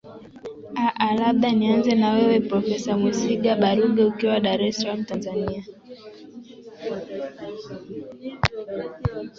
aa labda nianze na wewe profesa mwesiga baregu ukiwa dar es salam tanzania